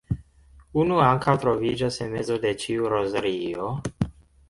Unu ankaŭ troviĝas en mezo de ĉiu rozario.